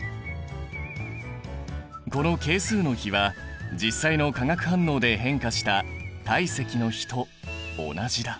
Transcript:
この係数の比は実際の化学反応で変化した体積の比と同じだ。